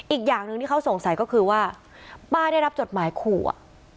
อีกอย่างหนึ่งที่เขาสงสัยก็คือว่าป้าได้รับจดหมายขู่อ่ะ